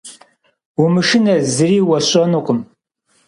Умышынэ, зыри уэсщӏэнукъым.